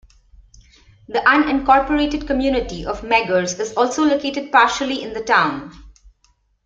The unincorporated community of Meggers is also located partially in the town.